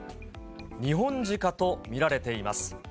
ニホンジカと見られています。